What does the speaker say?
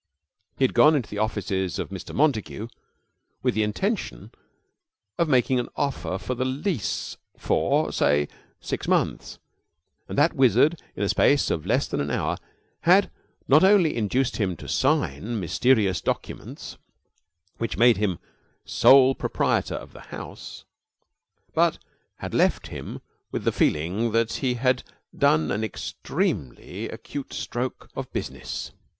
He had gone into the offices of Mr. Montague with the intention of making an offer for the lease for, say, six months; and that wizard, in the space of less than an hour, had not only induced him to sign mysterious documents which made him sole proprietor of the house, but had left him with the feeling that he had done an extremely acute stroke of business.